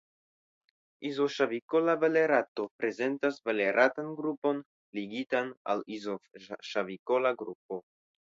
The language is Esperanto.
Izoŝavikola valerato prezentas valeratan grupon ligitan al izoŝavikola grupo.